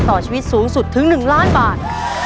ต่อชีวิตสูงสุดถึง๑ล้านบาท